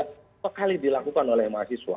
berapa kali dilakukan oleh mahasiswa